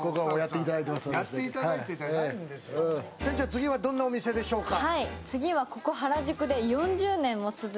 次はどんなお店でしょうか？